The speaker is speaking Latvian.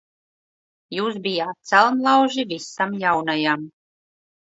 Jūs bijāt celmlauži visam jaunajam.